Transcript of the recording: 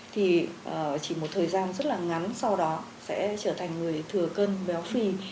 thì chỉ một thời gian rất là ngắn sau đó sẽ trở thành người thừa cân béo phì